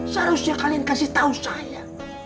seharusnya kalian kasih tahu saya